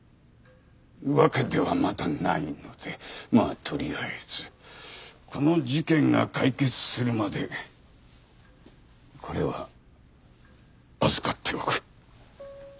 わけではまだないのでまあとりあえずこの事件が解決するまでこれは預かっておく。